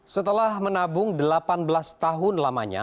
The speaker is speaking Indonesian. setelah menabung delapan belas tahun lamanya